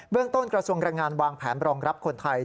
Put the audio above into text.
ต้นกระทรวงแรงงานวางแผนรองรับคนไทย